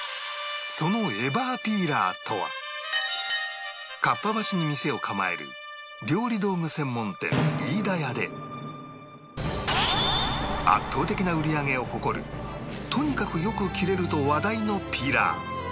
そのエバーピーラーとはかっぱ橋に店を構える料理道具専門店飯田屋で圧倒的な売り上げを誇るとにかくよく切れると話題のピーラー